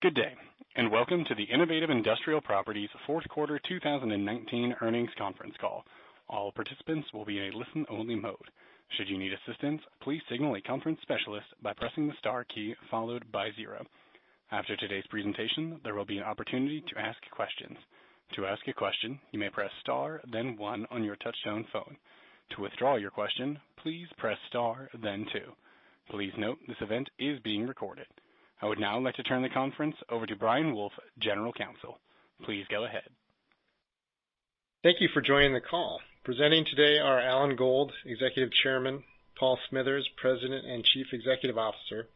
Good day. Welcome to the Innovative Industrial Properties fourth quarter 2019 earnings conference call. All participants will be in a listen-only mode. Should you need assistance, please signal a conference specialist by pressing the star key followed by zero. After today's presentation, there will be an opportunity to ask questions. To ask a question, you may press star then one on your touchtone phone. To withdraw your question, please press star then two. Please note this event is being recorded. I would now like to turn the conference over to Brian Wolfe, General Counsel. Please go ahead. Thank you for joining the call. Presenting today are Alan Gold, Executive Chairman, Paul Smithers, President and Chief Executive Officer,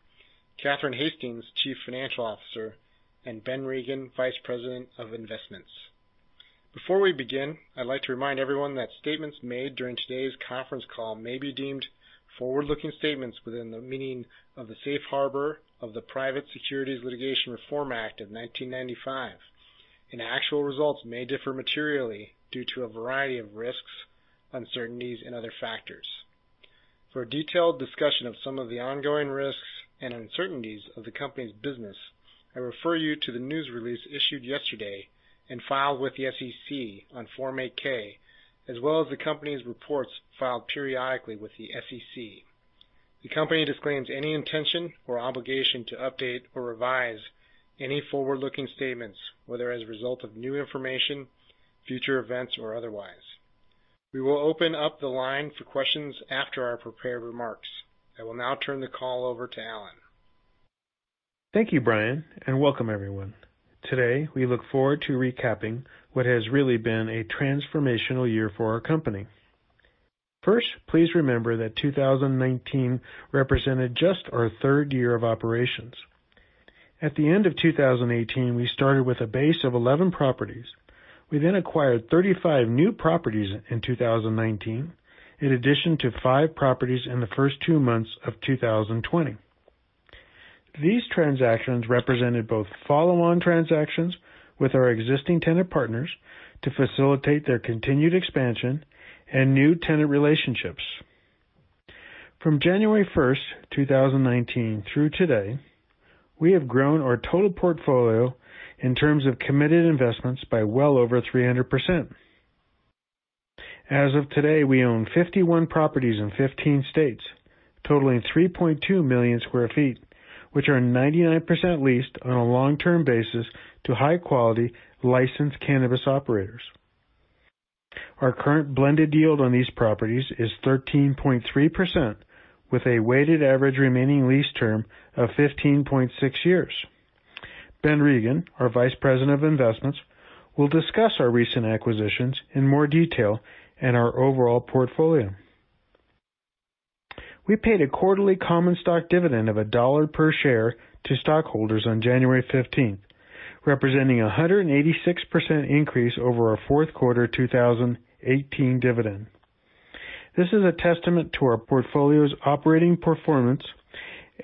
Catherine Hastings, Chief Financial Officer, and Ben Regin, Vice President of Investments. Before we begin, I'd like to remind everyone that statements made during today's conference call may be deemed forward-looking statements within the meaning of the Safe Harbor of the Private Securities Litigation Reform Act of 1995, and actual results may differ materially due to a variety of risks, uncertainties, and other factors. For a detailed discussion of some of the ongoing risks and uncertainties of the company's business, I refer you to the news release issued yesterday and filed with the SEC on Form 8-K, as well as the company's reports filed periodically with the SEC. The company disclaims any intention or obligation to update or revise any forward-looking statements, whether as a result of new information, future events, or otherwise. We will open up the line for questions after our prepared remarks. I will now turn the call over to Alan. Thank you, Brian, and welcome everyone. Today, we look forward to recapping what has really been a transformational year for our company. First, please remember that 2019 represented just our third year of operations. At the end of 2018, we started with a base of 11 properties. We then acquired 35 new properties in 2019, in addition to five properties in the first two months of 2020. These transactions represented both follow-on transactions with our existing tenant partners to facilitate their continued expansion and new tenant relationships. From January 1st, 2019 through today, we have grown our total portfolio in terms of committed investments by well over 300%. As of today, we own 51 properties in 15 states, totaling 3.2 million sq ft, which are 99% leased on a long-term basis to high-quality licensed cannabis operators. Our current blended yield on these properties is 13.3%, with a weighted average remaining lease term of 15.6 years. Ben Regin, our Vice President of Investments, will discuss our recent acquisitions in more detail and our overall portfolio. We paid a quarterly common stock dividend of $1 per share to stockholders on January 15th, representing 186% increase over our fourth quarter 2018 dividend. This is a testament to our portfolio's operating performance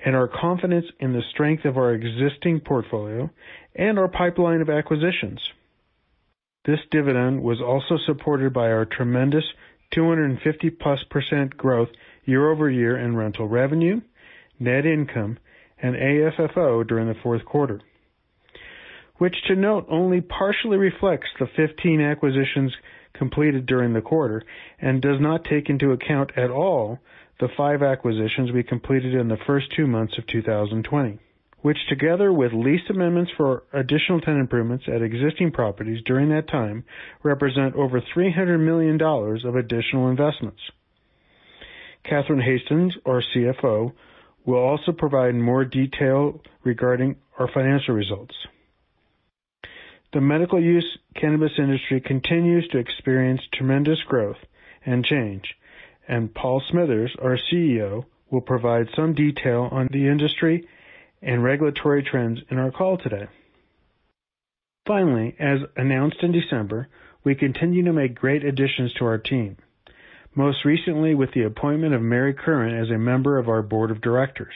and our confidence in the strength of our existing portfolio and our pipeline of acquisitions. This dividend was also supported by our tremendous 250%+ growth year-over-year in rental revenue, net income, and AFFO during the fourth quarter. Which to note only partially reflects the 15 acquisitions completed during the quarter and does not take into account at all the five acquisitions we completed in the first two months of 2020. Which together with lease amendments for additional tenant improvements at existing properties during that time represent over $300 million of additional investments. Catherine Hastings, our CFO, will also provide more detail regarding our financial results. The medical use cannabis industry continues to experience tremendous growth and change, and Paul Smithers, our CEO, will provide some detail on the industry and regulatory trends in our call today. Finally, as announced in December, we continue to make great additions to our team. Most recently with the appointment of Mary Curran as a member of our board of directors.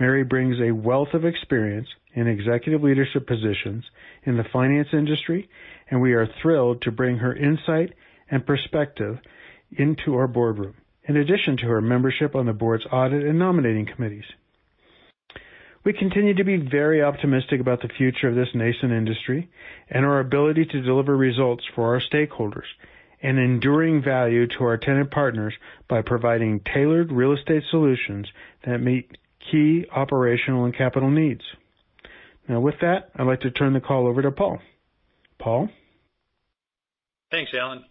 Mary brings a wealth of experience in executive leadership positions in the finance industry, and we are thrilled to bring her insight and perspective into our boardroom, in addition to her membership on the board's audit and nominating committees. We continue to be very optimistic about the future of this nascent industry and our ability to deliver results for our stakeholders and enduring value to our tenant partners by providing tailored real estate solutions that meet key operational and capital needs. Now, with that, I'd like to turn the call over to Paul. Paul? Thanks, Alan.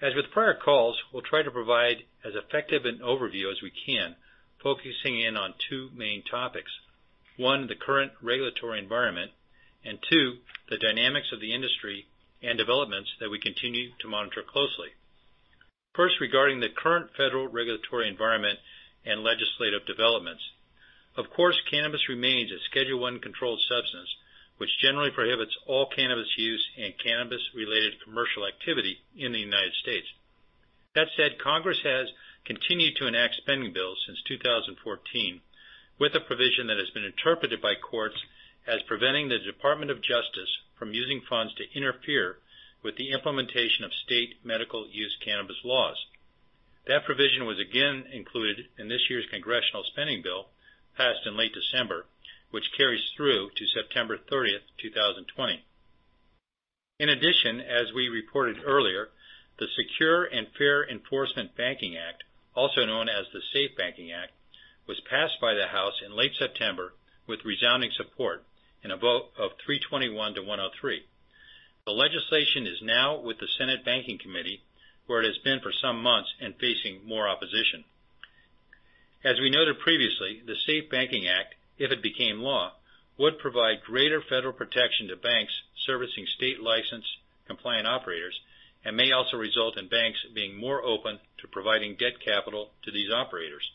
As with prior calls, we'll try to provide as effective an overview as we can, focusing in on two main topics. One, the current regulatory environment, two, the dynamics of the industry and developments that we continue to monitor closely. First, regarding the current federal regulatory environment and legislative developments. Of course, cannabis remains a Schedule I Controlled Substance, which generally prohibits all cannabis use and cannabis-related commercial activity in the U.S. That said, Congress has continued to enact spending bills since 2014 with a provision that has been interpreted by courts as preventing the Department of Justice from using funds to interfere with the implementation of state medical use cannabis laws. That provision was again included in this year's Congressional spending bill, passed in late December, which carries through to September 30th, 2020. In addition, as we reported earlier, the Secure and Fair Enforcement Banking Act, also known as the SAFE Banking Act, was passed by the House in late September with resounding support in a vote of 321 to 103. The legislation is now with the Senate Banking Committee, where it has been for some months and facing more opposition. As we noted previously, the SAFE Banking Act, if it became law, would provide greater federal protection to banks servicing state-licensed compliant operators and may also result in banks being more open to providing debt capital to these operators.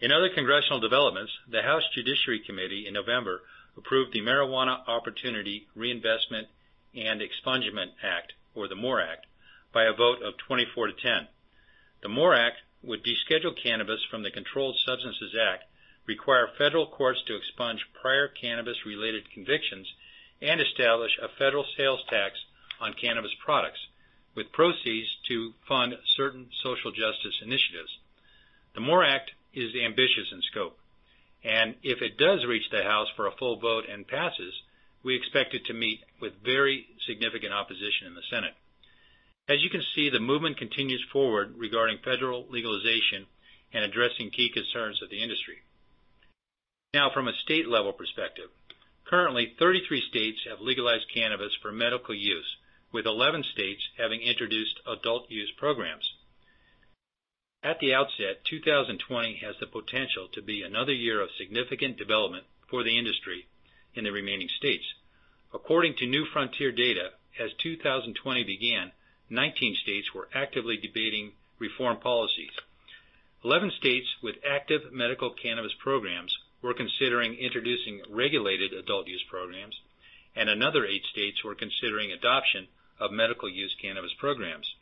In other congressional developments, the House Judiciary Committee in November approved the Marijuana Opportunity Reinvestment and Expungement Act, or the MORE Act, by a vote of 24 to 10. The MORE Act would deschedule cannabis from the Controlled Substances Act, require federal courts to expunge prior cannabis-related convictions, and establish a federal sales tax on cannabis products, with proceeds to fund certain social justice initiatives. The MORE Act is ambitious in scope, and if it does reach the House for a full vote and passes, we expect it to meet with very significant opposition in the Senate. As you can see, the movement continues forward regarding federal legalization and addressing key concerns of the industry. From a state-level perspective, currently, 33 states have legalized cannabis for medical use, with 11 states having introduced adult use programs. At the outset, 2020 has the potential to be another year of significant development for the industry in the remaining states. According to New Frontier Data, as 2020 began, 19 states were actively debating reform policies. 11 states with active medical cannabis programs were considering introducing regulated adult use programs. Another 8 states were considering adoption of medical use cannabis programs.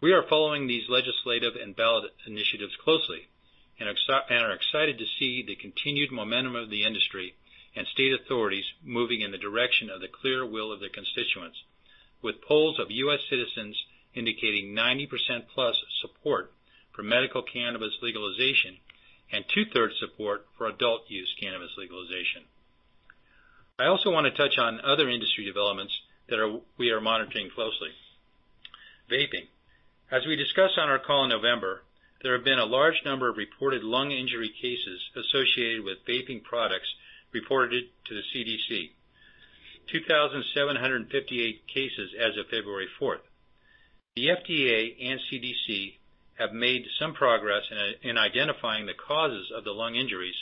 We are following these legislative and ballot initiatives closely and are excited to see the continued momentum of the industry and state authorities moving in the direction of the clear will of their constituents, with polls of U.S. citizens indicating 90%+ support for medical cannabis legalization and 2/3 support for adult use cannabis legalization. I also want to touch on other industry developments that we are monitoring closely. Vaping. As we discussed on our call in November, there have been a large number of reported lung injury cases associated with vaping products reported to the CDC. 2,758 cases as of February 4th. The FDA and CDC have made some progress in identifying the causes of the lung injuries,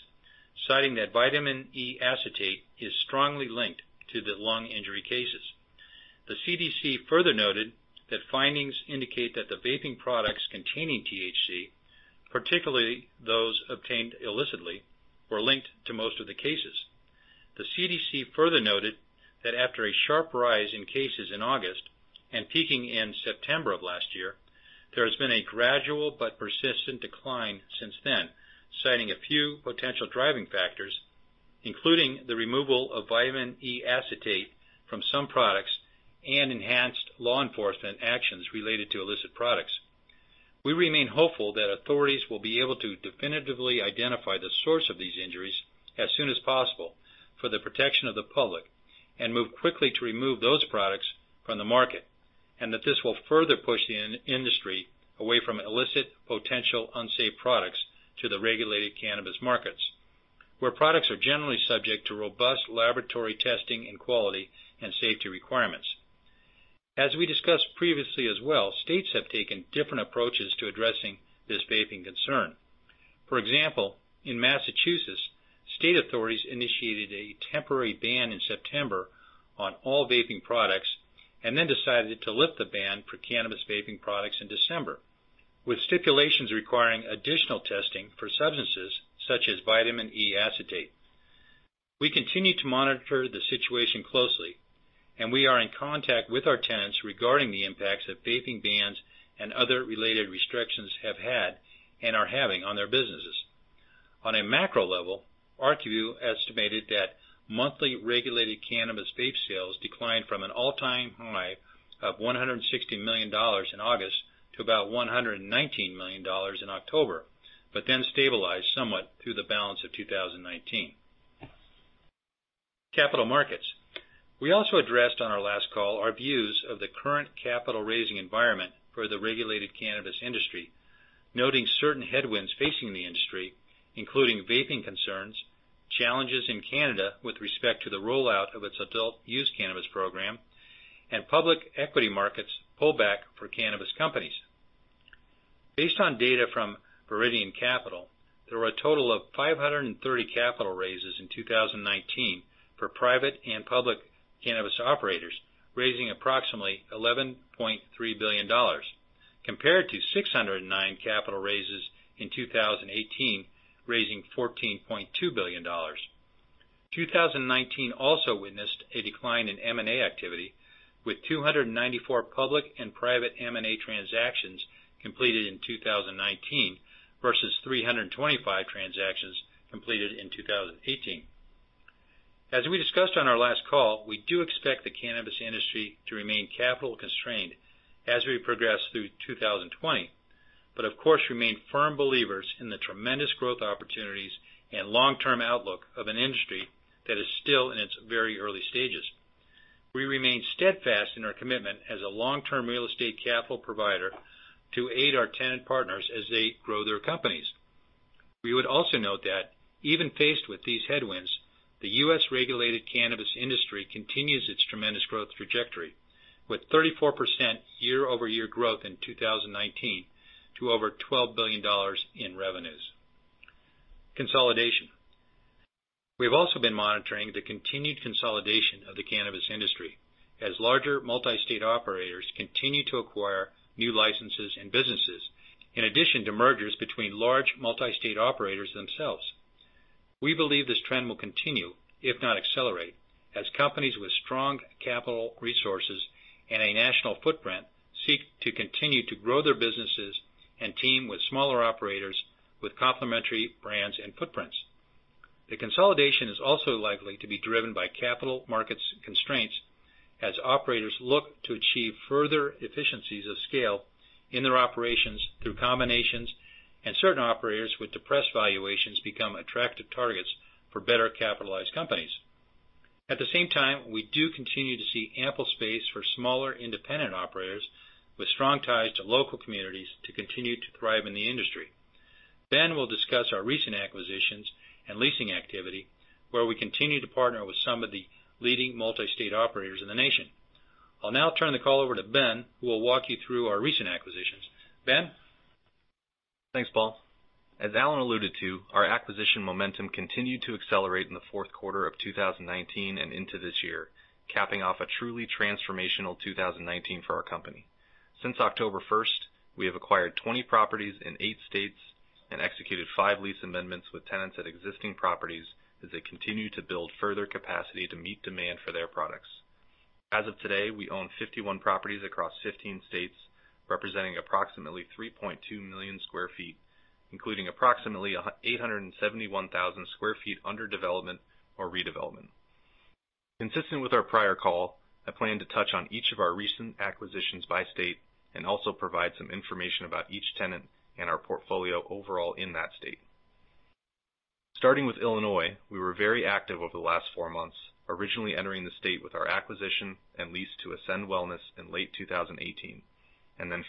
citing that vitamin E acetate is strongly linked to the lung injury cases. The CDC further noted that findings indicate that the vaping products containing THC, particularly those obtained illicitly, were linked to most of the cases. The CDC further noted that after a sharp rise in cases in August and peaking in September of last year, there has been a gradual but persistent decline since then, citing a few potential driving factors, including the removal of vitamin E acetate from some products and enhanced law enforcement actions related to illicit products. We remain hopeful that authorities will be able to definitively identify the source of these injuries as soon as possible for the protection of the public and move quickly to remove those products from the market, that this will further push the industry away from illicit potential unsafe products to the regulated cannabis markets, where products are generally subject to robust laboratory testing and quality and safety requirements. As we discussed previously as well, states have taken different approaches to addressing this vaping concern. For example, in Massachusetts, state authorities initiated a temporary ban in September on all vaping products, then decided to lift the ban for cannabis vaping products in December, with stipulations requiring additional testing for substances such as vitamin E acetate. We continue to monitor the situation closely, and we are in contact with our tenants regarding the impacts that vaping bans and other related restrictions have had and are having on their businesses. On a macro level, ArcView estimated that monthly regulated cannabis vape sales declined from an all-time high of $160 million in August to about $119 million in October, but then stabilized somewhat through the balance of 2019. Capital markets. We also addressed on our last call our views of the current capital-raising environment for the regulated cannabis industry, noting certain headwinds facing the industry, including vaping concerns, challenges in Canada with respect to the rollout of its adult use cannabis program, and public equity markets pullback for cannabis companies. Based on data from Viridian Capital, there were a total of 530 capital raises in 2019 for private and public cannabis operators, raising approximately $11.3 billion, compared to 609 capital raises in 2018, raising $14.2 billion. 2019 also witnessed a decline in M&A activity, with 294 public and private M&A transactions completed in 2019 versus 325 transactions completed in 2018. As we discussed on our last call, we do expect the cannabis industry to remain capital constrained as we progress through 2020. Of course, remain firm believers in the tremendous growth opportunities and long-term outlook of an industry that is still in its very early stages. We remain steadfast in our commitment as a long-term real estate capital provider to aid our tenant partners as they grow their companies. We would also note that, even faced with these headwinds, the U.S. regulated cannabis industry continues its tremendous growth trajectory, with 34% year-over-year growth in 2019 to over $12 billion in revenues. Consolidation. We have also been monitoring the continued consolidation of the cannabis industry as larger Multi-State Operators continue to acquire new licenses and businesses, in addition to mergers between large Multi-State Operators themselves. We believe this trend will continue, if not accelerate, as companies with strong capital resources and a national footprint seek to continue to grow their businesses and team with smaller operators with complementary brands and footprints. The consolidation is also likely to be driven by capital markets constraints as operators look to achieve further efficiencies of scale in their operations through combinations, and certain operators with depressed valuations become attractive targets for better-capitalized companies. At the same time, we do continue to see ample space for smaller, independent operators with strong ties to local communities to continue to thrive in the industry. Ben will discuss our recent acquisitions and leasing activity, where we continue to partner with some of the leading multi-state operators in the nation. I'll now turn the call over to Ben, who will walk you through our recent acquisitions. Ben? Thanks, Paul. As Alan alluded to, our acquisition momentum continued to accelerate in the fourth quarter of 2019 and into this year, capping off a truly transformational 2019 for our company. Since October 1st, we have acquired 20 properties in eight states and executed five lease amendments with tenants at existing properties as they continue to build further capacity to meet demand for their products. As of today, we own 51 properties across 15 states, representing approximately 3.2 million sq ft, including approximately 871,000 sq ft under development or redevelopment. Consistent with our prior call, I plan to touch on each of our recent acquisitions by state and also provide some information about each tenant and our portfolio overall in that state. Starting with Illinois, we were very active over the last four months, originally entering the state with our acquisition and lease to Ascend Wellness in late 2018.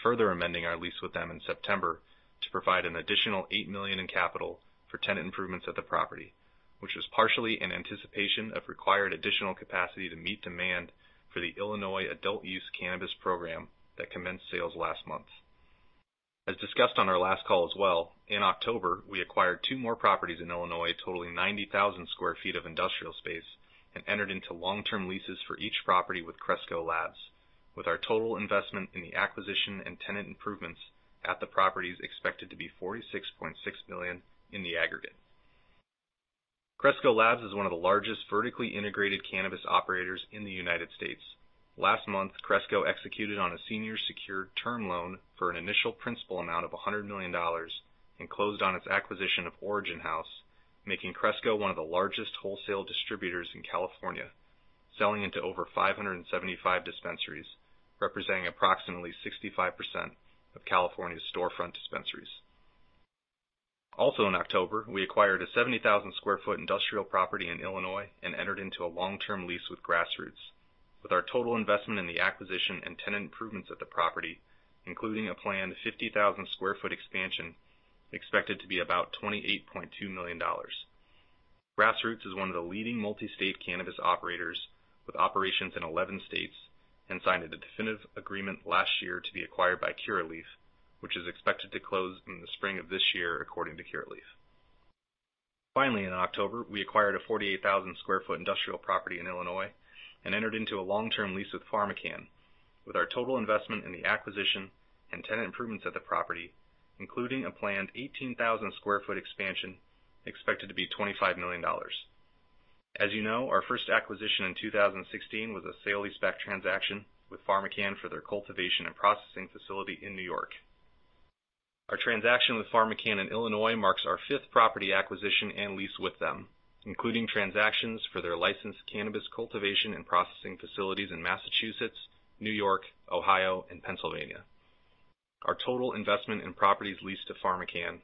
Further amending our lease with them in September to provide an additional $8 million in capital for tenant improvements at the property, which was partially in anticipation of required additional capacity to meet demand for the Illinois Adult-Use Cannabis program that commenced sales last month. As discussed on our last call as well, in October, we acquired two more properties in Illinois totaling 90,000 sq ft of industrial space and entered into long-term leases for each property with Cresco Labs, with our total investment in the acquisition and tenant improvements at the properties expected to be $46.6 million in the aggregate. Cresco Labs is one of the largest vertically integrated cannabis operators in the United States. Last month, Cresco executed on a senior secured term loan for an initial principal amount of $100 million and closed on its acquisition of Origin House, making Cresco one of the largest wholesale distributors in California, selling into over 575 dispensaries, representing approximately 65% of California's storefront dispensaries. Also in October, we acquired a 70,000 sq ft industrial property in Illinois and entered into a long-term lease with Grassroots, with our total investment in the acquisition and tenant improvements at the property, including a planned 50,000 sq ft expansion expected to be about $28.2 million. Grassroots is one of the leading multi-state cannabis operators with operations in 11 states and signed a definitive agreement last year to be acquired by Curaleaf, which is expected to close in the spring of this year, according to Curaleaf. Finally, in October, we acquired a 48,000 square foot industrial property in Illinois and entered into a long-term lease with PharmaCann, with our total investment in the acquisition and tenant improvements at the property, including a planned 18,000 square foot expansion, expected to be $25 million. As you know, our first acquisition in 2016 was a sale-leaseback transaction with PharmaCann for their cultivation and processing facility in New York. Our transaction with PharmaCann in Illinois marks our fifth property acquisition and lease with them, including transactions for their licensed cannabis cultivation and processing facilities in Massachusetts, New York, Ohio, and Pennsylvania. Our total investment in properties leased to PharmaCann,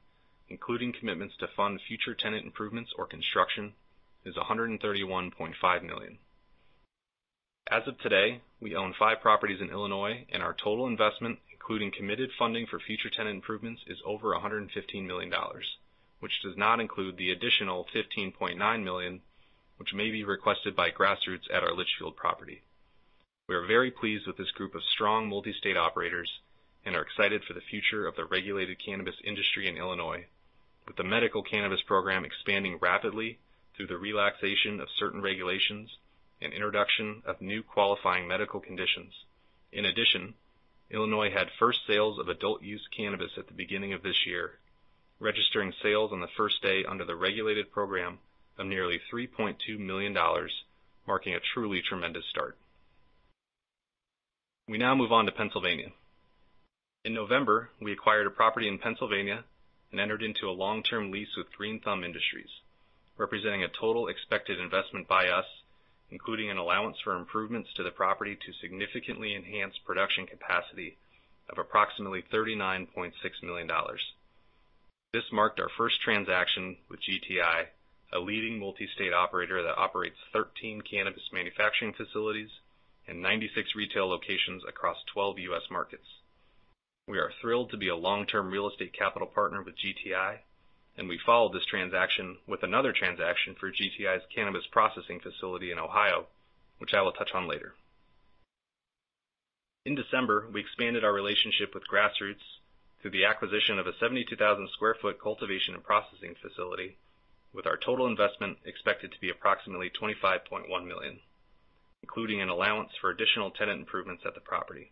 including commitments to fund future tenant improvements or construction, is $131.5 million. As of today, we own five properties in Illinois, and our total investment, including committed funding for future tenant improvements, is over $115 million, which does not include the additional $15.9 million, which may be requested by Grassroots at our Litchfield property. We are very pleased with this group of strong multi-state operators and are excited for the future of the regulated cannabis industry in Illinois with the medical cannabis program expanding rapidly through the relaxation of certain regulations and introduction of new qualifying medical conditions. In addition, Illinois had first sales of adult-use cannabis at the beginning of this year, registering sales on the first day under the regulated program of nearly $3.2 million, marking a truly tremendous start. We now move on to Pennsylvania. In November, we acquired a property in Pennsylvania and entered into a long-term lease with Green Thumb Industries, representing a total expected investment by us, including an allowance for improvements to the property to significantly enhance production capacity of approximately $39.6 million. This marked our first transaction with GTI, a leading multi-state operator that operates 13 cannabis manufacturing facilities and 96 retail locations across 12 U.S. markets. We are thrilled to be a long-term real estate capital partner with GTI, and we followed this transaction with another transaction for GTI's cannabis processing facility in Ohio, which I will touch on later. In December, we expanded our relationship with Grassroots through the acquisition of a 72,000 sq ft cultivation and processing facility with our total investment expected to be approximately $25.1 million, including an allowance for additional tenant improvements at the property.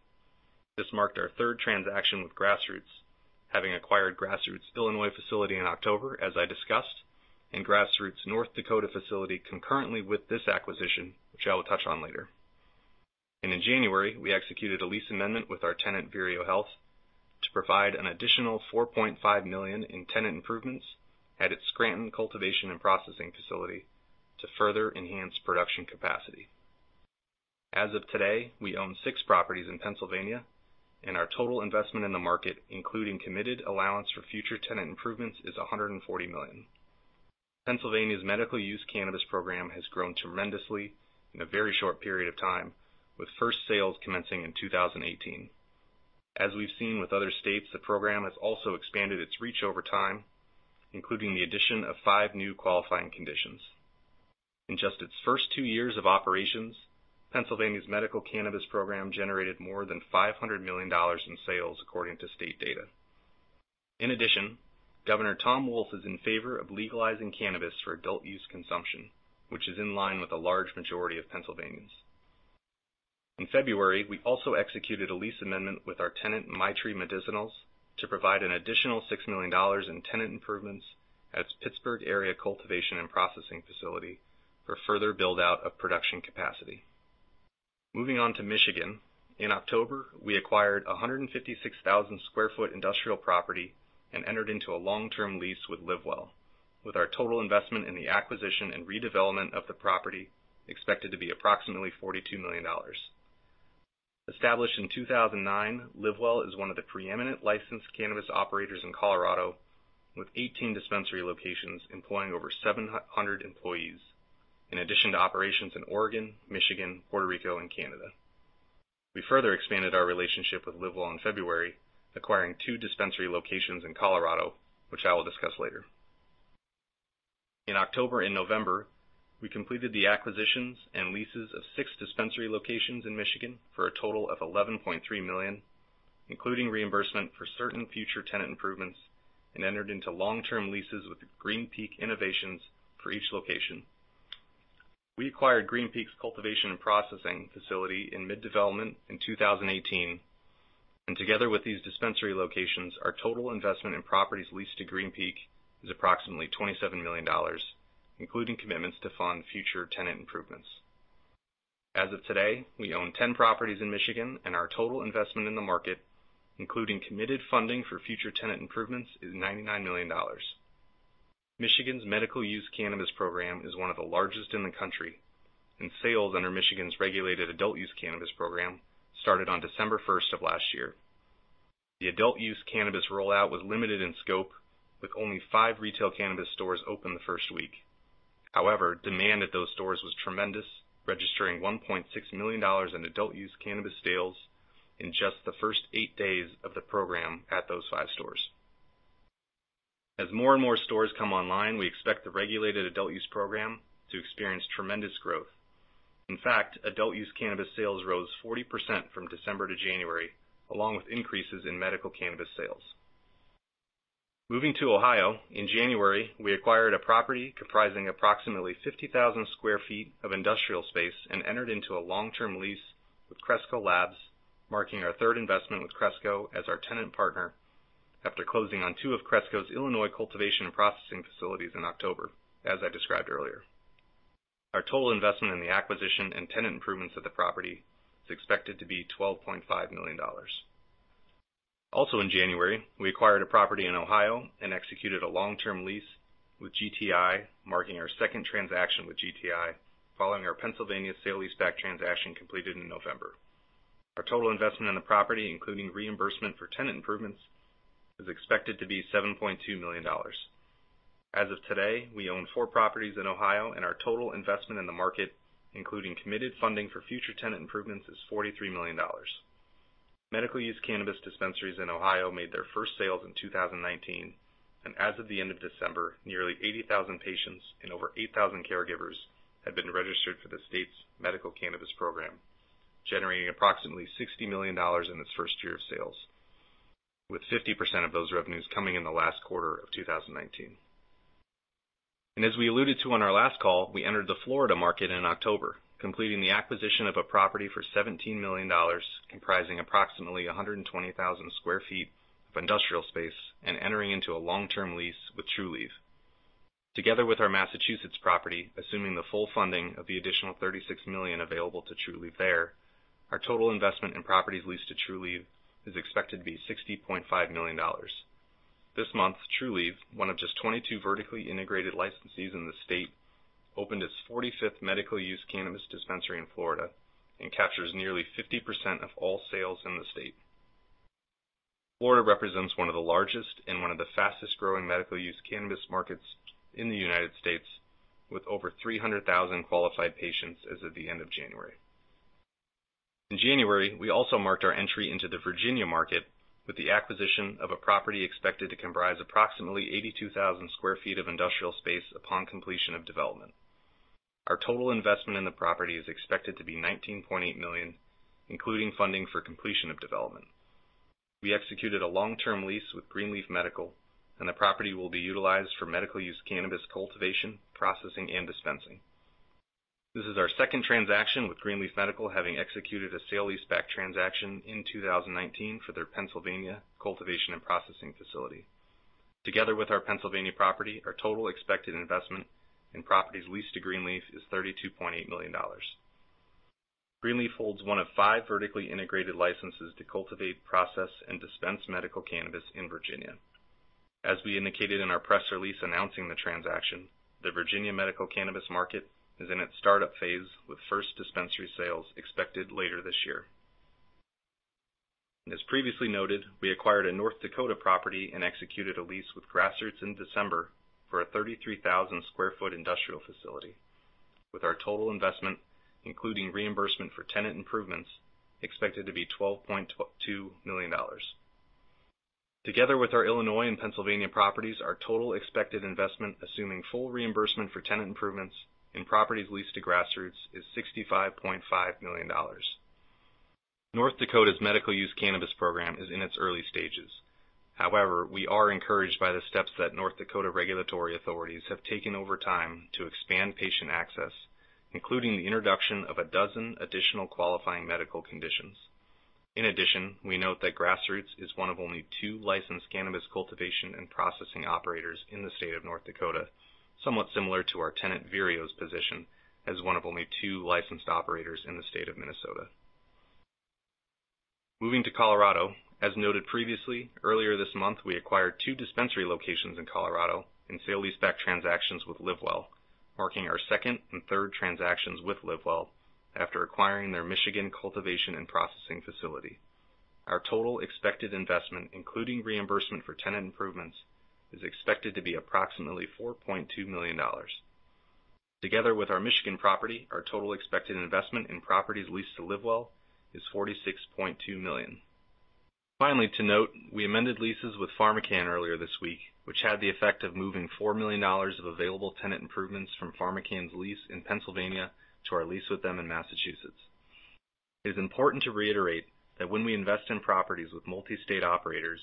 This marked our third transaction with Grassroots, having acquired Grassroots Illinois facility in October, as I discussed, and Grassroots North Dakota facility concurrently with this acquisition, which I will touch on later. In January, we executed a lease amendment with our tenant, Vireo Health, to provide an additional $4.5 million in tenant improvements at its Scranton cultivation and processing facility to further enhance production capacity. As of today, we own six properties in Pennsylvania, and our total investment in the market, including committed allowance for future tenant improvements, is $140 million. Pennsylvania's Medical Use Cannabis Program has grown tremendously in a very short period of time, with first sales commencing in 2018. As we've seen with other states, the program has also expanded its reach over time, including the addition of five new qualifying conditions. In just its first two years of operations, Pennsylvania's medical cannabis program generated more than $500 million in sales according to state data. In addition, Governor Tom Wolf is in favor of legalizing cannabis for adult use consumption, which is in line with a large majority of Pennsylvanians. In February, we also executed a lease amendment with our tenant, Maitri Medicinals, to provide an additional $6 million in tenant improvements at its Pittsburgh area cultivation and processing facility for further build-out of production capacity. Moving on to Michigan, in October, we acquired 156,000 square foot industrial property and entered into a long-term lease with LivWell, with our total investment in the acquisition and redevelopment of the property expected to be approximately $42 million. Established in 2009, LivWell is one of the preeminent licensed cannabis operators in Colorado, with 18 dispensary locations employing over 700 employees, in addition to operations in Oregon, Michigan, Puerto Rico, and Canada. We further expanded our relationship with LivWell in February, acquiring two dispensary locations in Colorado, which I will discuss later. In October and November, we completed the acquisitions and leases of six dispensary locations in Michigan for a total of $11.3 million, including reimbursement for certain future tenant improvements, and entered into long-term leases with Green Peak Innovations for each location. We acquired Green Peak's cultivation and processing facility in mid-development in 2018, and together with these dispensary locations, our total investment in properties leased to Green Peak is approximately $27 million, including commitments to fund future tenant improvements. As of today, we own 10 properties in Michigan, and our total investment in the market, including committed funding for future tenant improvements, is $99 million. Michigan's medical use cannabis program is one of the largest in the country, and sales under Michigan's regulated adult use cannabis program started on December 1st of last year. The adult use cannabis rollout was limited in scope, with only five retail cannabis stores open the first week. However, demand at those stores was tremendous, registering $1.6 million in adult use cannabis sales in just the first eight days of the program at those five stores. As more and more stores come online, we expect the regulated adult use program to experience tremendous growth. In fact, adult use cannabis sales rose 40% from December to January, along with increases in medical cannabis sales. Moving to Ohio, in January, we acquired a property comprising approximately 50,000 sq ft of industrial space and entered into a long-term lease with Cresco Labs, marking our third investment with Cresco as our tenant partner after closing on two of Cresco's Illinois cultivation and processing facilities in October, as I described earlier. Our total investment in the acquisition and tenant improvements of the property is expected to be $12.5 million. Also in January, we acquired a property in Ohio and executed a long-term lease with GTI, marking our second transaction with GTI, following our Pennsylvania sale leaseback transaction completed in November. Our total investment in the property, including reimbursement for tenant improvements, is expected to be $7.2 million. As of today, we own four properties in Ohio, and our total investment in the market, including committed funding for future tenant improvements, is $43 million. Medical use cannabis dispensaries in Ohio made their first sales in 2019, and as of the end of December, nearly 80,000 patients and over 8,000 caregivers had been registered for the state's Medical Cannabis Program, generating approximately $60 million in its first year of sales, with 50% of those revenues coming in the last quarter of 2019. As we alluded to on our last call, we entered the Florida market in October, completing the acquisition of a property for $17 million, comprising approximately 120,000 sq ft of industrial space and entering into a long-term lease with Trulieve. Together with our Massachusetts property, assuming the full funding of the additional $36 million available to Trulieve there, our total investment in properties leased to Trulieve is expected to be $60.5 million. This month, Trulieve, one of just 22 vertically integrated licensees in the state, opened its 45th medical use cannabis dispensary in Florida and captures nearly 50% of all sales in the state. Florida represents one of the largest and one of the fastest-growing medical use cannabis markets in the United States, with over 300,000 qualified patients as of the end of January. In January, we also marked our entry into the Virginia market with the acquisition of a property expected to comprise approximately 82,000 sq ft of industrial space upon completion of development. Our total investment in the property is expected to be $19.8 million, including funding for completion of development. We executed a long-term lease with Green Leaf Medical, and the property will be utilized for medical use cannabis cultivation, processing and dispensing. This is our second transaction with Green Leaf Medical, having executed a sale leaseback transaction in 2019 for their Pennsylvania cultivation and processing facility. Together with our Pennsylvania property, our total expected investment in properties leased to Green Leaf is $32.8 million. Green Leaf holds one of five vertically integrated licenses to cultivate, process and dispense medical cannabis in Virginia. As we indicated in our press release announcing the transaction, the Virginia medical cannabis market is in its startup phase, with first dispensary sales expected later this year. As previously noted, we acquired a North Dakota property and executed a lease with Grassroots in December for a 33,000 square foot industrial facility, with our total investment, including reimbursement for tenant improvements, expected to be $12.2 million. Together with our Illinois and Pennsylvania properties, our total expected investment, assuming full reimbursement for tenant improvements in properties leased to Grassroots, is $65.5 million. North Dakota's medical use cannabis program is in its early stages. However, we are encouraged by the steps that North Dakota regulatory authorities have taken over time to expand patient access, including the introduction of a dozen additional qualifying medical conditions. In addition, we note that Grassroots is one of only two licensed cannabis cultivation and processing operators in the state of North Dakota, somewhat similar to our tenant Vireo's position as one of only two licensed operators in the state of Minnesota. Moving to Colorado, as noted previously, earlier this month, we acquired two dispensary locations in Colorado in sale leaseback transactions with LivWell, marking our second and third transactions with LivWell after acquiring their Michigan cultivation and processing facility. Our total expected investment, including reimbursement for tenant improvements, is expected to be approximately $4.2 million. Together with our Michigan property, our total expected investment in properties leased to LivWell is $46.2 million. Finally, to note, we amended leases with PharmaCann earlier this week, which had the effect of moving $4 million of available tenant improvements from PharmaCann's lease in Pennsylvania to our lease with them in Massachusetts. It is important to reiterate that when we invest in properties with multi-state operators,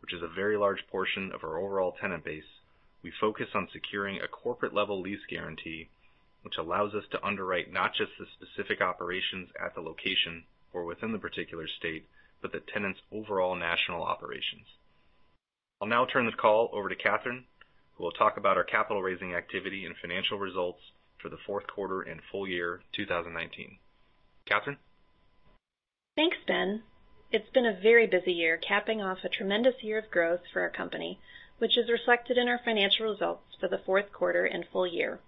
which is a very large portion of our overall tenant base, we focus on securing a corporate level lease guarantee, which allows us to underwrite not just the specific operations at the location or within the particular state, but the tenant's overall national operations. I'll now turn this call over to Catherine, who will talk about our capital raising activity and financial results for the fourth quarter and full-year 2019. Catherine? Thanks, Ben. It's been a very busy year, capping off a tremendous year of growth for our company, which is reflected in our financial results for the fourth quarter and full year.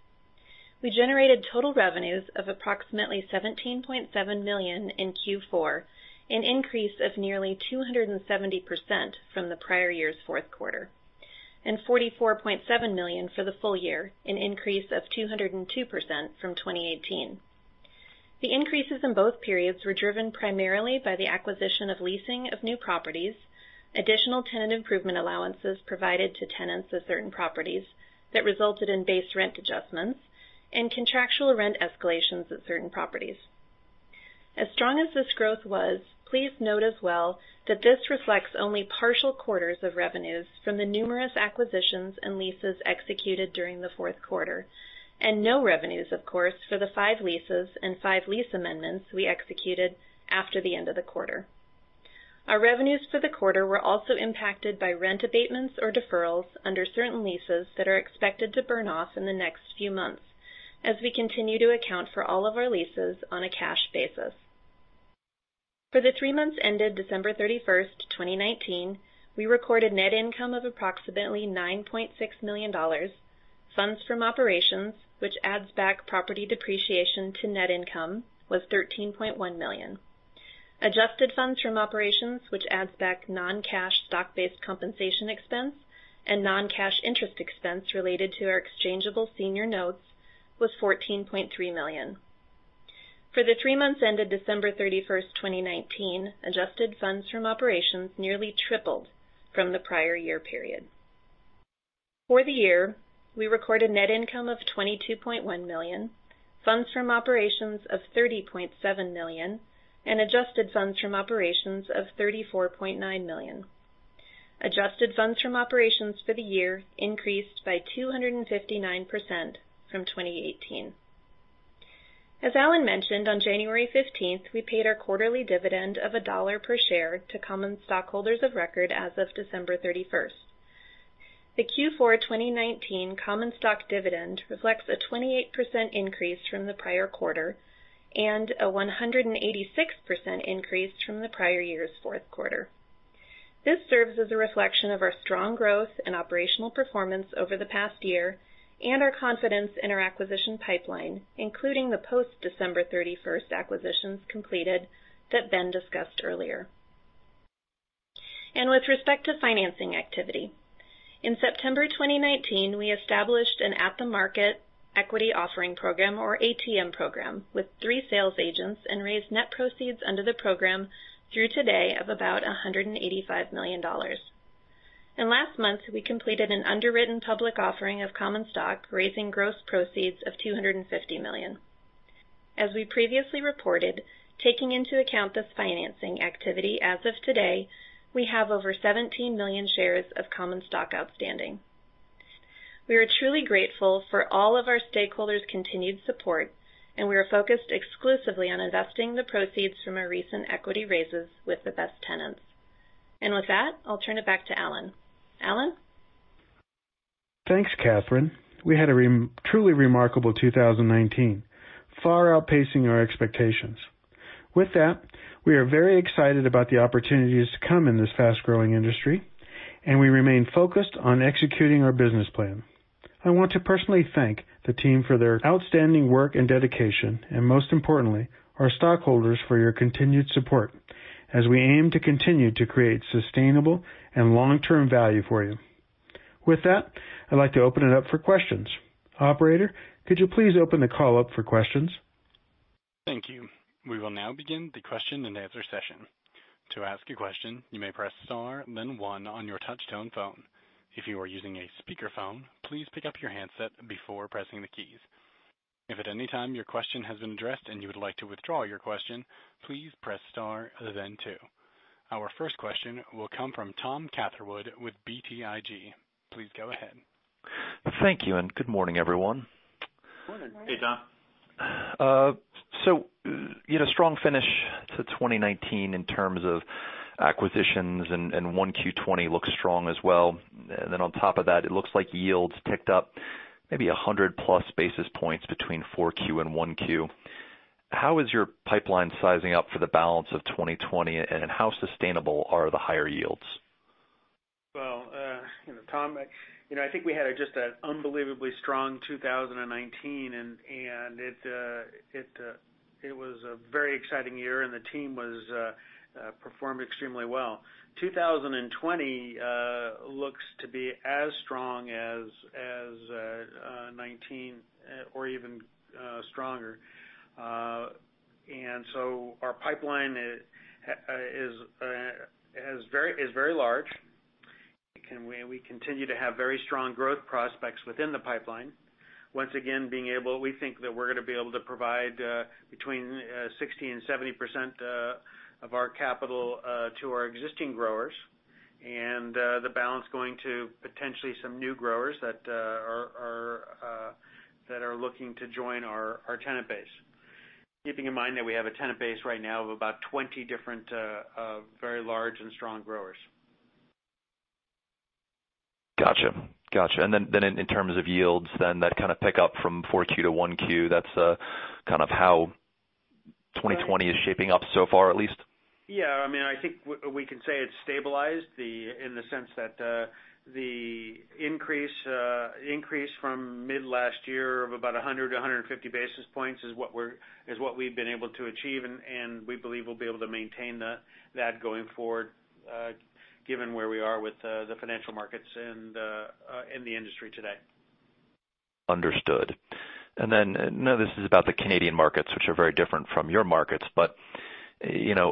We generated total revenues of approximately $17.7 million in Q4, an increase of nearly 270% from the prior year's fourth quarter, and $44.7 million for the full year, an increase of 202% from 2018. The increases in both periods were driven primarily by the acquisition of leasing of new properties, additional tenant improvement allowances provided to tenants of certain properties that resulted in base rent adjustments, and contractual rent escalations at certain properties. As strong as this growth was, please note as well that this reflects only partial quarters of revenues from the numerous acquisitions and leases executed during the fourth quarter, and no revenues, of course, for the five leases and five lease amendments we executed after the end of the quarter. Our revenues for the quarter were also impacted by rent abatements or deferrals under certain leases that are expected to burn off in the next few months as we continue to account for all of our leases on a cash basis. For the three months ended December 31, 2019, we recorded net income of approximately $9.6 million. Funds From Operations, which adds back property depreciation to net income, was $13.1 million. Adjusted Funds From Operations, which adds back non-cash stock-based compensation expense and non-cash interest expense related to our exchangeable senior notes, was $14.3 million. For the three months ended December 31st, 2019, adjusted funds from operations nearly tripled from the prior year period. For the year, we recorded net income of $22.1 million, funds from operations of $30.7 million, and adjusted funds from operations of $34.9 million. Adjusted funds from operations for the year increased by 259% from 2018. As Alan mentioned, on January 15th, we paid our quarterly dividend of $1 per share to common stockholders of record as of December 31st. The Q4 2019 common stock dividend reflects a 28% increase from the prior quarter and a 186% increase from the prior year's fourth quarter. This serves as a reflection of our strong growth and operational performance over the past year and our confidence in our acquisition pipeline, including the post-December 31st acquisitions completed that Ben discussed earlier. With respect to financing activity. In September 2019, we established an at-the-market equity offering program, or ATM program, with three sales agents and raised net proceeds under the program through today of about $185 million. Last month, we completed an underwritten public offering of common stock, raising gross proceeds of $250 million. As we previously reported, taking into account this financing activity as of today, we have over 17 million shares of common stock outstanding. We are truly grateful for all of our stakeholders' continued support, and we are focused exclusively on investing the proceeds from our recent equity raises with the best tenants. With that, I'll turn it back to Alan. Alan? Thanks, Catherine. We had a truly remarkable 2019, far outpacing our expectations. With that, we are very excited about the opportunities to come in this fast-growing industry, and we remain focused on executing our business plan. I want to personally thank the team for their outstanding work and dedication, and most importantly, our stockholders for your continued support as we aim to continue to create sustainable and long-term value for you. With that, I'd like to open it up for questions. Operator, could you please open the call up for questions? Thank you. We will now begin the question-and-answer session. To ask a question, you may press star then one on your touch-tone phone. If you are using a speakerphone, please pick up your handset before pressing the keys. If at any time your question has been addressed and you would like to withdraw your question, please press star then two. Our first question will come from Tom Catherwood with BTIG. Please go ahead. Thank you, and good morning, everyone. Morning. Hey, Tom. You had a strong finish to 2019 in terms of acquisitions, and 1Q20 looks strong as well. On top of that, it looks like yields ticked up maybe 100+ basis points between 4Q and 1Q. How is your pipeline sizing up for the balance of 2020, and how sustainable are the higher yields? Well, Tom, I think we had just an unbelievably strong 2019, and it was a very exciting year, and the team performed extremely well. 2020 looks to be as strong as 2019 or even stronger. Our pipeline is very large. We continue to have very strong growth prospects within the pipeline. Once again, we think that we're going to be able to provide between 60% and 70% of our capital to our existing growers, and the balance going to potentially some new growers that are looking to join our tenant base. Keeping in mind that we have a tenant base right now of about 20 different, very large and strong growers. Got you. In terms of yields, then that kind of pick up from 4Q to 1Q, that's kind of how 2020 is shaping up so far, at least? I think we can say it's stabilized in the sense that the increase from mid last year of about 100 to 150 basis points is what we've been able to achieve, and we believe we'll be able to maintain that going forward, given where we are with the financial markets and the industry today. Understood. I know this is about the Canadian markets, which are very different from your markets.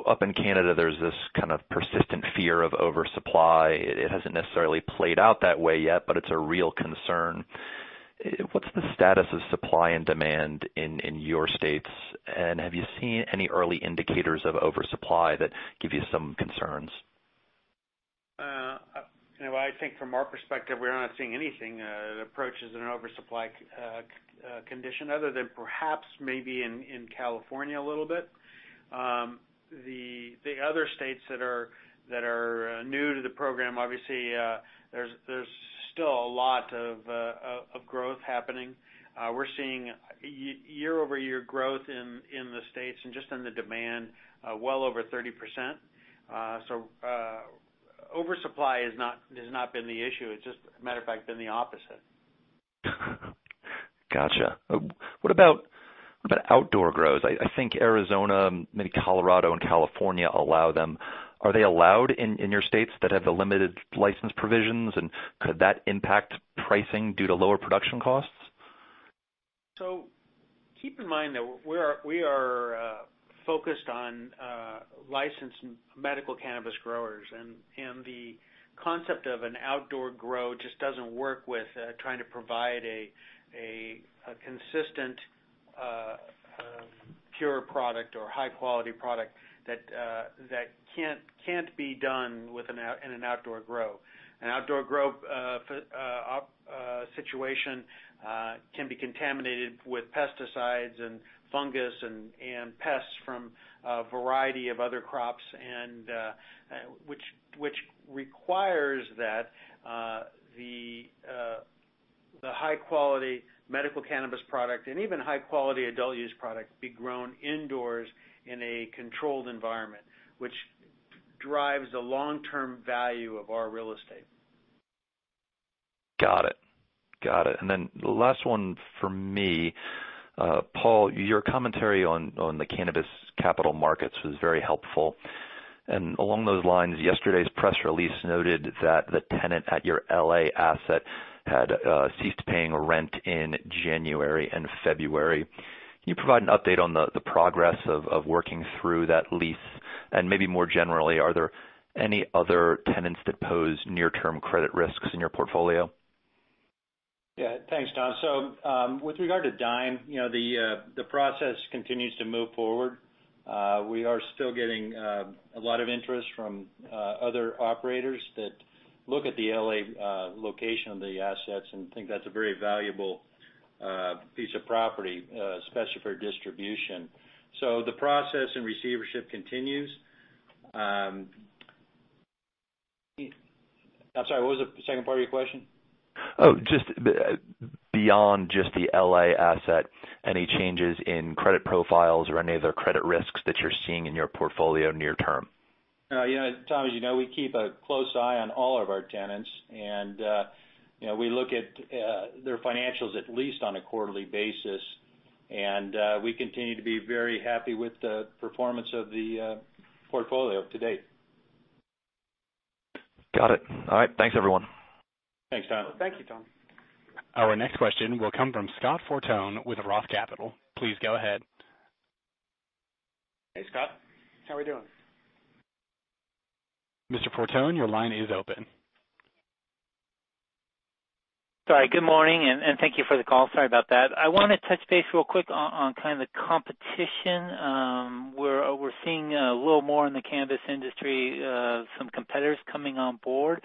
Up in Canada, there's this kind of persistent fear of oversupply. It hasn't necessarily played out that way yet, but it's a real concern. What's the status of supply and demand in your states, and have you seen any early indicators of oversupply that give you some concerns? I think from our perspective, we're not seeing anything that approaches an oversupply condition other than perhaps maybe in California a little bit. The other states that are new to the program, obviously, there's still a lot of growth happening. We're seeing year-over-year growth in the states and just in the demand well over 30%. Oversupply has not been the issue. It's just, matter of fact, been the opposite. Got you. What about outdoor grows? I think Arizona, maybe Colorado, and California allow them. Are they allowed in your states that have the limited license provisions, and could that impact pricing due to lower production costs? Keep in mind that we are focused on licensed medical cannabis growers, and the concept of an outdoor grow just doesn't work with trying to provide a consistent, pure product or high-quality product that can't be done in an outdoor grow. An outdoor grow situation can be contaminated with pesticides and fungus and pests from a variety of other crops, and which requires that the high-quality medical cannabis product, and even high-quality adult use product, be grown indoors in a controlled environment, which drives the long-term value of our real estate. Got it. Then the last one from me. Paul, your commentary on the cannabis capital markets was very helpful. Along those lines, yesterday's press release noted that the tenant at your L.A. asset had ceased paying rent in January and February. Can you provide an update on the progress of working through that lease? Maybe more generally, are there any other tenants that pose near-term credit risks in your portfolio? Yeah, thanks, Tom. With regard to Dyme, the process continues to move forward. We are still getting a lot of interest from other operators that look at the L.A. location of the assets and think that's a very valuable piece of property, especially for distribution. The process and receivership continues. I'm sorry, what was the second part of your question? Just beyond the L.A. asset, any changes in credit profiles or any other credit risks that you're seeing in your portfolio near term? Tom, as you know, we keep a close eye on all of our tenants, we look at their financials at least on a quarterly basis. We continue to be very happy with the performance of the portfolio to date. Got it. All right. Thanks, everyone. Thanks, Tom. Thank you, Tom. Our next question will come from Scott Fortune with Roth Capital. Please go ahead. Hey, Scott. How are we doing? Mr. Fortune, your line is open. Sorry, good morning, thank you for the call. Sorry about that. I want to touch base real quick on kind of the competition. We're seeing a little more in the cannabis industry, some competitors coming on board.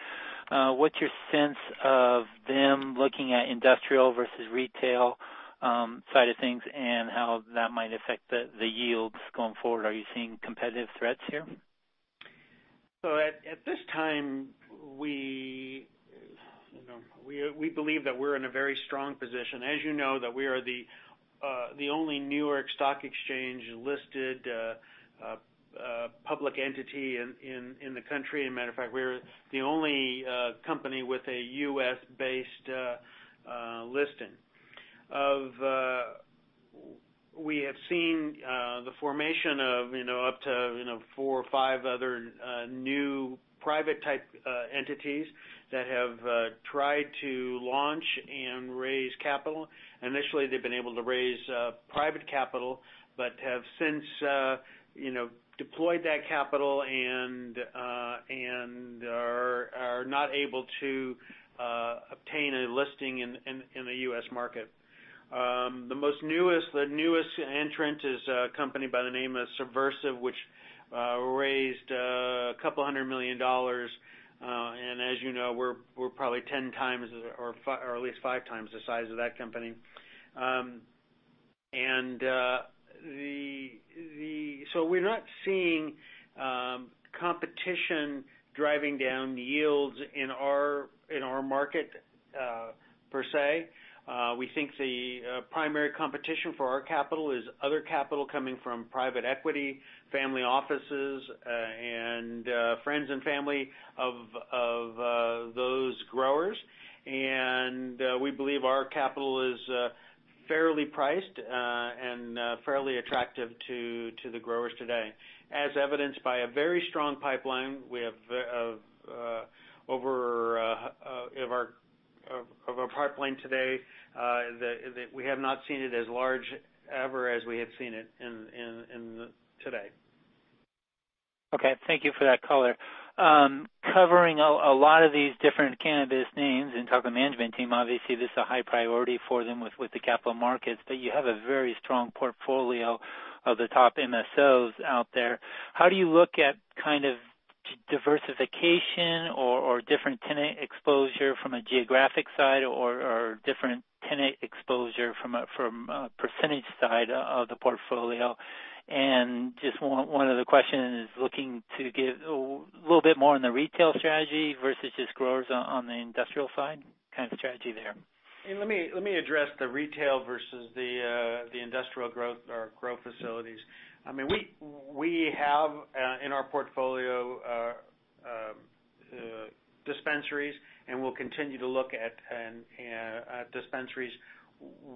What's your sense of them looking at industrial versus retail side of things and how that might affect the yields going forward? Are you seeing competitive threats here? At this time, we believe that we're in a very strong position. As you know, that we are the only New York Stock Exchange-listed public entity in the country. As a matter of fact, we're the only company with a U.S.-based listing. We have seen the formation of up to four or five other new private-type entities that have tried to launch and raise capital. Initially, they've been able to raise private capital, but have since deployed that capital and are not able to obtain a listing in the U.S. market. The newest entrant is a company by the name of Subversive, which raised $200 million. As you know, we're probably 10 times or at least five times the size of that company. We're not seeing competition driving down yields in our market, per se. We think the primary competition for our capital is other capital coming from private equity, family offices, and friends and family of those growers. We believe our capital is fairly priced and fairly attractive to the growers today, as evidenced by a very strong pipeline. Of our pipeline today, we have not seen it as large ever as we have seen it today. Okay. Thank you for that color. Covering a lot of these different cannabis names and talking to management team, obviously this is a high priority for them with the capital markets, but you have a very strong portfolio of the top MSOs out there. How do you look at kind of diversification or different tenant exposure from a geographic side or different tenant exposure from a percentage side of the portfolio? Just one other question is looking to give a little bit more on the retail strategy versus just growers on the industrial side, kind of strategy there. Let me address the retail versus the industrial growth or grow facilities. We have, in our portfolio, dispensaries, and we'll continue to look at dispensaries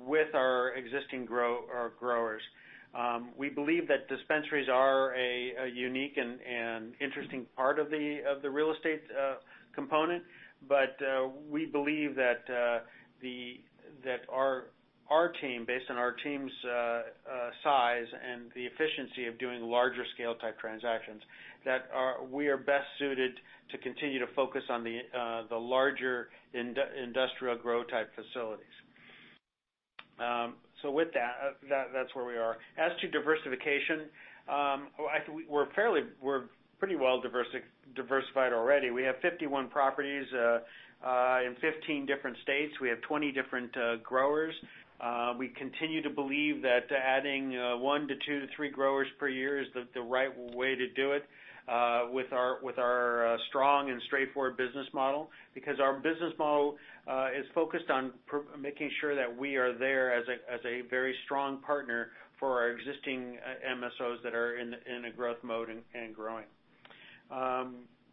with our existing growers. We believe that dispensaries are a unique and interesting part of the real estate component. We believe that based on our team's size and the efficiency of doing larger scale type transactions, that we are best suited to continue to focus on the larger industrial grow type facilities. With that's where we are. As to diversification, we're pretty well diversified already. We have 51 properties in 15 different states. We have 20 different growers. We continue to believe that adding one to two to three growers per year is the right way to do it with our strong and straightforward business model. Our business model is focused on making sure that we are there as a very strong partner for our existing MSOs that are in a growth mode and growing.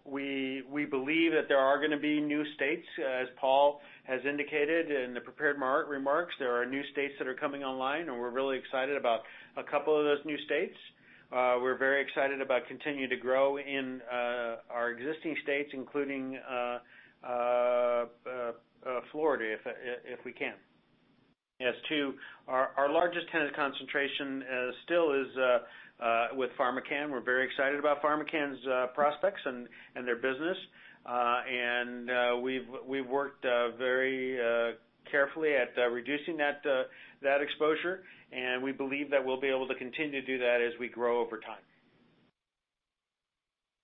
We believe that there are going to be new states, as Paul has indicated in the prepared remarks. There are new states that are coming online, and we're really excited about a couple of those new states. We're very excited about continuing to grow in our existing states, including Florida, if we can. As to our largest tenant concentration still is with PharmaCann. We're very excited about PharmaCann's prospects and their business. We've worked very carefully at reducing that exposure, and we believe that we'll be able to continue to do that as we grow over time.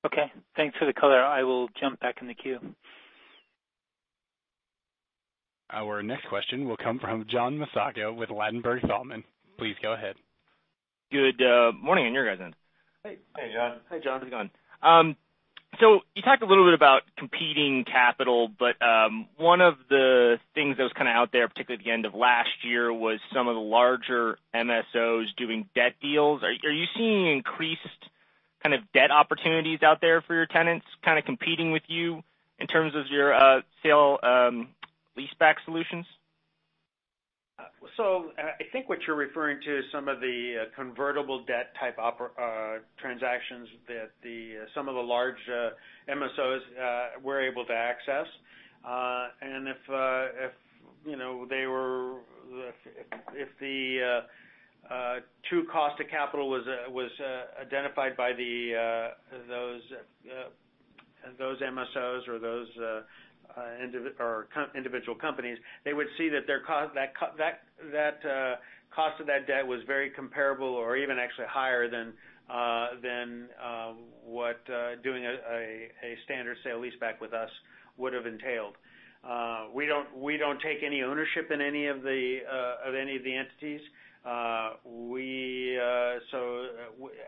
Okay. Thanks for the color. I will jump back in the queue. Our next question will come from John Massocca with Ladenburg Thalmann. Please go ahead. Good morning on your guys' end. Hey. Hey, John. Hi, John. How's it going? You talked a little bit about competing capital, but one of the things that was out there, particularly at the end of last year, was some of the larger MSOs doing debt deals. Are you seeing increased debt opportunities out there for your tenants competing with you in terms of your sale leaseback solutions? I think what you're referring to is some of the convertible debt type transactions that some of the large MSOs were able to access. If the true cost of capital was identified by those MSOs or those individual companies, they would see that cost of that debt was very comparable or even actually higher than what doing a standard sale leaseback with us would have entailed. We don't take any ownership in any of the entities,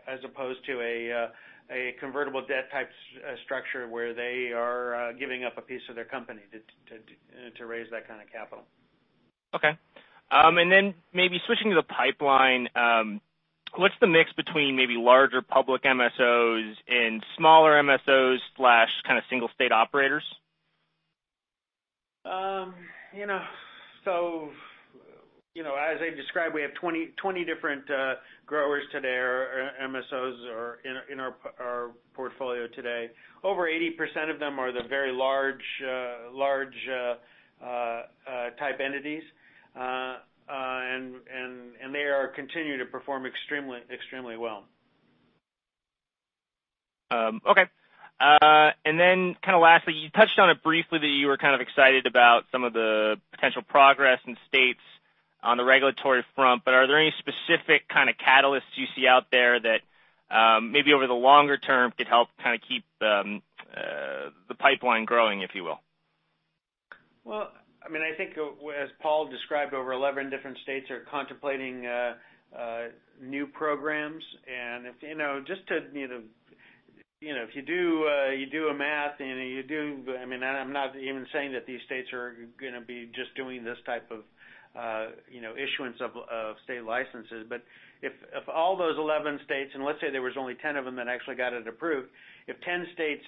as opposed to a convertible debt type structure where they are giving up a piece of their company to raise that kind of capital. Okay. Maybe switching to the pipeline, what's the mix between maybe larger public MSOs and smaller MSOs/single state operators? As I've described, we have 20 different growers today, or MSOs, in our portfolio today. Over 80% of them are the very large type entities. They are continuing to perform extremely well. Okay. Then lastly, you touched on it briefly that you were kind of excited about some of the potential progress in states on the regulatory front, but are there any specific kind of catalysts you see out there that maybe over the longer term could help keep the pipeline growing, if you will? Well, I think as Paul described, over 11 different states are contemplating new programs. If you do the math, and I'm not even saying that these states are going to be just doing this type of issuance of state licenses. If all those 11 states, and let's say there was only 10 of them that actually got it approved, if 10 states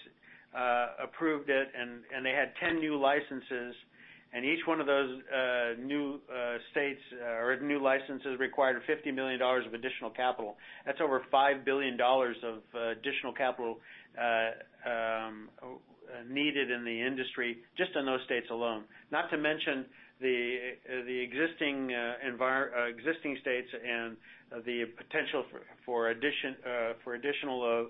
approved it and they had 10 new licenses, and each one of those new states or new licenses required $50 million of additional capital, that's over $5 billion of additional capital needed in the industry, just in those states alone. Not to mention the existing states and the potential for additional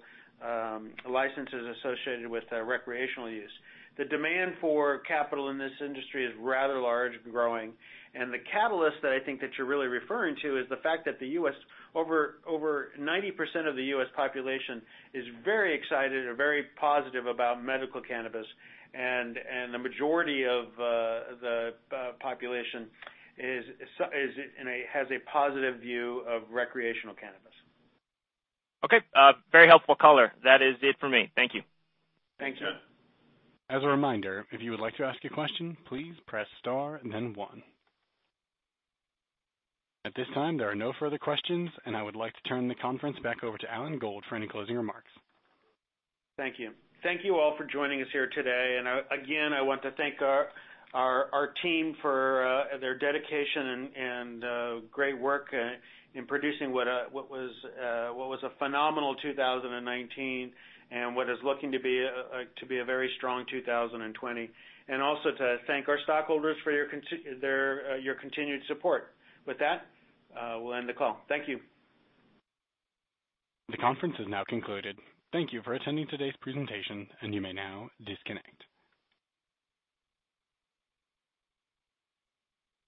licenses associated with recreational use. The demand for capital in this industry is rather large and growing, and the catalyst that I think that you're really referring to is the fact that the U.S., over 90% of the U.S. population, is very excited or very positive about medical cannabis, and the majority of the population has a positive view of recreational cannabis. Okay. Very helpful color. That is it for me. Thank you. Thanks, John. As a reminder, if you would like to ask a question, please press star and then one. At this time, there are no further questions, and I would like to turn the conference back over to Alan Gold for any closing remarks. Thank you. Thank you all for joining us here today. Again, I want to thank our team for their dedication and great work in producing what was a phenomenal 2019 and what is looking to be a very strong 2020. Also to thank our stockholders for your continued support. With that, we'll end the call. Thank you. The conference has now concluded. Thank you for attending today's presentation, and you may now disconnect.